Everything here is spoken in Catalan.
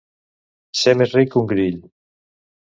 Ser més ric que un grill.